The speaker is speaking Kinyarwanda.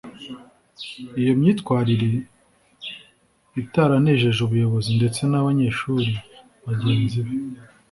Iyo myitwarire itaranejeje ubuyobozi ndetse n’abanyeshuri bagenzi be